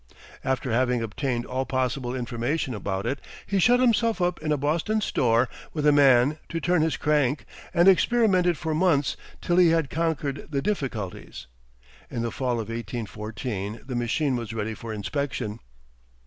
After having obtained all possible information about it, he shut himself up in a Boston store with a man to turn his crank, and experimented for months till he had conquered the difficulties. In the fall of 1814 the machine was ready for inspection.